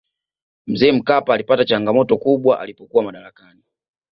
mzee mkapa alipata changamoto kubwa alipokuwa madarakani